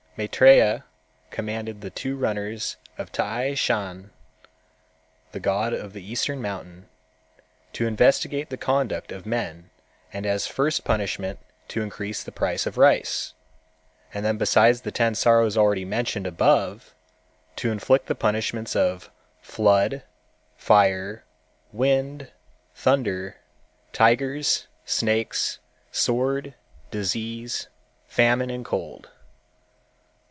Maitrêya commanded the two runners of T'ai Shan, the god of the Eastern Mountain, to investigate the conduct of men and as a first punishment to increase the price of rice, and then besides the ten sorrows already mentioned above, to inflict the punishments of flood, fire, wind, thunder, tigers, snakes, sword, disease, famine and cold.